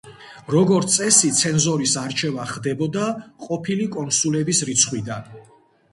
როგორც წესი ცენზორის არჩევა ხდებოდა ყოფილი კონსულების რიცხვიდან.